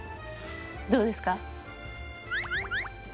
どうですか？